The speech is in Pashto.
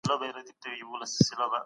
مجاهد د حق د بیرغ ساتونکی دی.